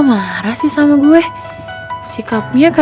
maafin bokap gua